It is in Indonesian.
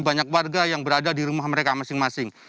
banyak warga yang berada di rumah mereka masing masing